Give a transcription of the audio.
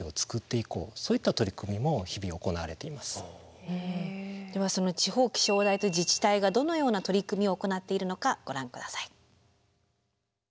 今現在気象庁ではではその地方気象台と自治体がどのような取り組みを行っているのかご覧下さい。